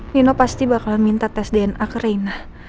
nino pasti bakalan minta tes dna ke reina